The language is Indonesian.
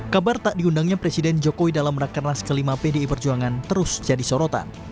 kabar tak diundangnya presiden jokowi dalam rakernas kelima pdi perjuangan terus jadi sorotan